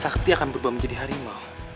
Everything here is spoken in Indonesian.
sakti akan berubah menjadi harimau